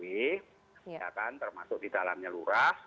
ya kan termasuk di dalamnya lurah